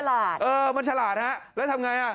มันชลาดเออมันชลาดฮะแล้วทำไงอ่ะ